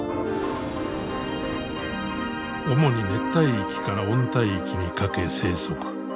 主に熱帯域から温帯域にかけ生息。